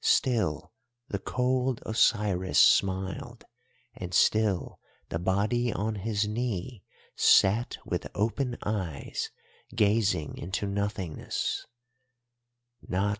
Still the cold Osiris smiled, and still the body on his knee sat with open eyes gazing into nothingness.